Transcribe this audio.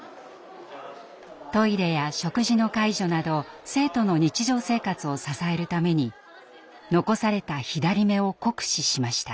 トイレや食事の介助など生徒の日常生活を支えるために残された左目を酷使しました。